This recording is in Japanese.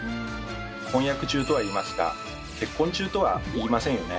「婚約中」とは言いますが「結婚中」とは言いませんよね？